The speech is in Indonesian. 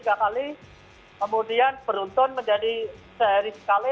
kemudian beruntun menjadi sehari sekali